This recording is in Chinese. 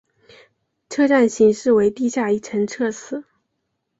车站型式为地下一层侧式。